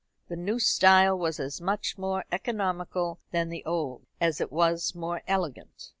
The new style was as much more economical than the old as it was more elegant.